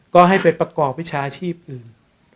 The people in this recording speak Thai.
ก็ให้ไปประกอบวิชาชีพอื่น